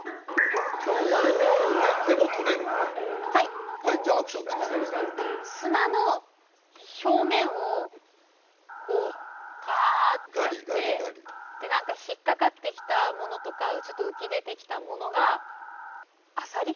東京湾東京湾でもとれるはいはいじゃあアクションつきでね砂の表面をこうガーッてやって何か引っ掛かってきたものとか浮き出てきたものがあさり？